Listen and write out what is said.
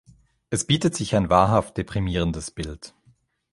Es bietet sich ein wahrhaft deprimierendes Bild.